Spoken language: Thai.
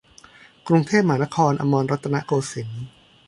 กรุงเทพมหานคร อมรรัตนโกสินทร์